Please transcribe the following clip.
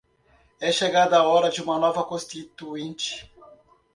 É chegada a hora de uma nova Constituinte?